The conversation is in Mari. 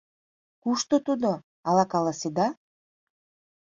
Кушто тудо, ала каласеда?